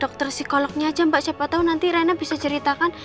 dokter psikolognya aja mbak siapa tahu nanti rena bisa ceritakan